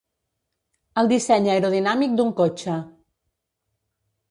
El disseny aerodinàmic d'un cotxe.